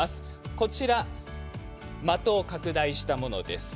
こちら、的を拡大したものです。